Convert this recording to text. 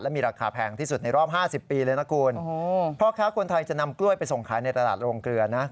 แล้วมีราคาแพงที่สุดในรอบ๕๐ปีเลยนะคุณ